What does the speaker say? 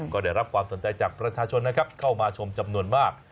ก็ได้รับความสนใจจากประชาชนนะครับเข้ามาชมจำนวนมาก